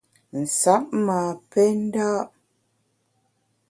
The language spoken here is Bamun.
Nsab ma pè nda’.